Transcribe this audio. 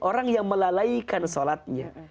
orang yang melalaikan sholatnya